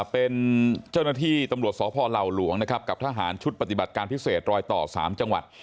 เป็นเจ้าหน้าที่ตำรวจสพเหล่าหลวงนะครับกับทหารชุดปฏิบัติการพิเศษรอยต่อ๓จังหวัด